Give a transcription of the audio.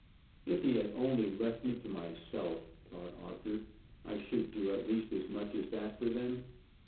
"If he had only left me to myself," thought Arthur, "I should do at least as much as that for them.